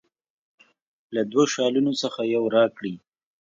له دوه شالونو څخه یو راکړي.